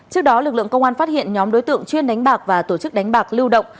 trước đó lực lượng công an phát hiện nhóm đối tượng chuyên đánh bạc và tổ chức đánh bạc lưu động